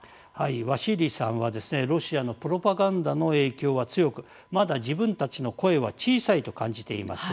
ワシーリーさんはロシアのプロパガンダの影響は強くまだ自分たちの声は小さいと感じています。